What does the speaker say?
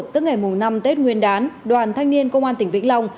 tức ngày mùng năm tết nguyên đán đoàn thanh niên công an tỉnh vĩnh long